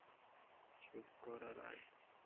চুপ কর আর আয়!